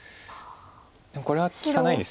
でもこれは利かないです